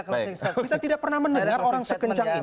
kita tidak pernah mendengar orang sekencang ini